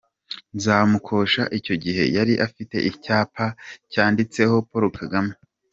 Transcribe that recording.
Nzamukosha icyo gihe yari afite icyapa cyanditseho Paul Kagame.